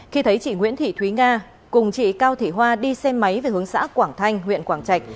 khi thấy chị nguyễn thị thúy nga cùng chị cao thị hoa đi xe máy về hướng xã quảng thanh huyện quảng trạch